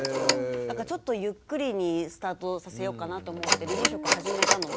だからちょっとゆっくりにスタートさせようかなと思って離乳食始めたのも７か月で。